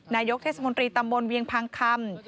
นายกเทศมนตรีตำบลเวียงพังคำ